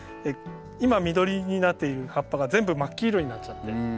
今緑になっている葉っぱが全部真っ黄色になっちゃって。